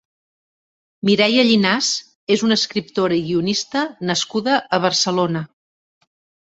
Mireia Llinàs és una escriptora i guionista nascuda a Barcelona.